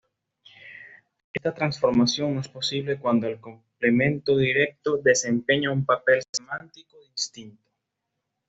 Esta transformación no es posible cuando el complemento directo desempeña un papel semántico distinto.